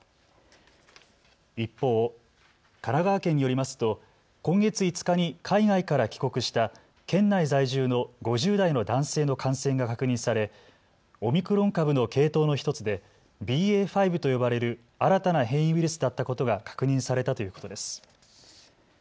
一方、神奈川県によりますと今月５日に海外から帰国した県内在住の５０代の男性の感染が確認されオミクロン株の系統の１つでＢＡ．５と呼ばれる新たな変異ウイルスだったことが確認されたということです。